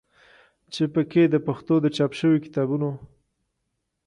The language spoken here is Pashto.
چې په کې د پښتو د چاپ شوي کتابونو